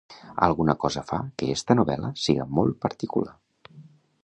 Alguna cosa fa que esta novel·la siga molt particular.